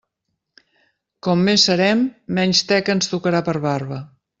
Com més serem, menys teca ens tocarà per barba.